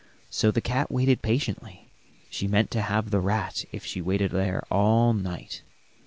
So the cat waited patiently; she meant to have the rat if she waited there all night.